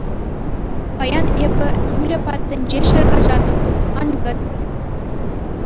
Паян эпӗ Юля патӗнче ҫӗр каҫатӑп, ан кӗт.